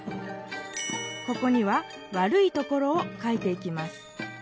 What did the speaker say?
ここには悪いところを書いていきます。